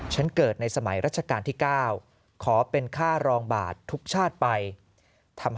ฉันเกิดในสมัยรัชกาลที่๙ขอเป็นค่ารองบาททุกชาติไปทำให้